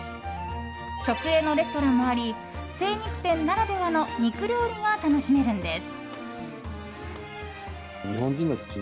直営のレストランもあり精肉店ならではの肉料理が楽しめるんです。